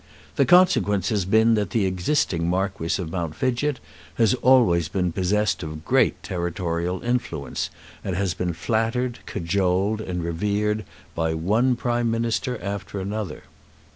The consequence has been that the existing Marquis of Mount Fidgett has always been possessed of great territorial influence, and has been flattered, cajoled, and revered by one Prime Minister after another.